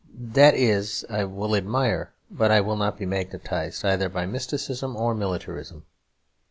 That is, I will admire, but I will not be magnetised, either by mysticism or militarism.